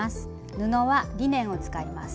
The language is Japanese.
布はリネンを使います。